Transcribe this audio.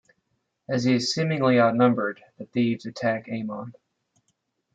As he is seemingly outnumbered, the thieves attack Ammon.